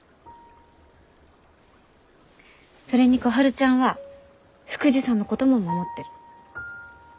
それに小春ちゃんは福治さんのことも守ってる。